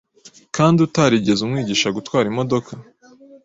kandi utarigeze umwigisha gutwara imodoka